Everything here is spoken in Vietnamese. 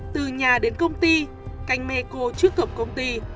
từ nhà đến công ty canh me cô trước cập công ty